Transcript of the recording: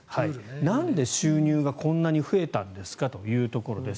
なんで収入がこんなに増えたんですかというところです。